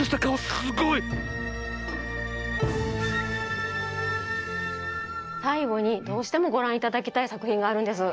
さいごにどうしてもごらんいただきたいさくひんがあるんです。